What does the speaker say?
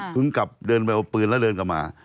ถึงกลับเดินไปเอาปืนแล้วเดินกลับมา